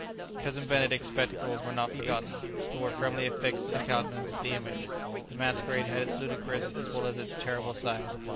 Cousin Benedict's spectacles were not forgotten, but were firmly affixed to the countenance of the image. The masquerade had its ludicrous as well as its terrible side.